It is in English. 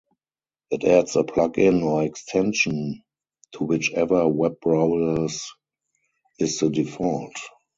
It adds a plugin or extension to whichever web browsers is the default.